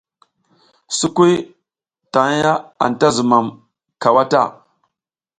Sukuy taƞʼha anta zumam cawa ta.